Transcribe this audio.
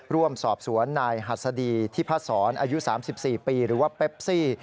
ร่วมสอบสวนนายหัสดีที่พศรอายุ๓๔ปีหรือว่าเปปซี่